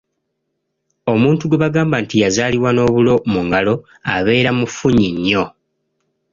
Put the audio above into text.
Omuntu gwe bagamba nti yazaalibwa n'obulo mu ngalo abeera mufunyi nnyo.